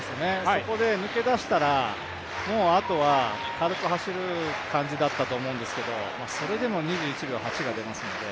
そこで抜け出したらもうあとは軽く走る感じだったと思うんですけどそれでも２１秒８が出ますので。